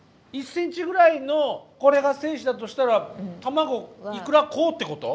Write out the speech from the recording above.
１ｃｍぐらいのこれが精子だとしたら卵イクラこうってこと？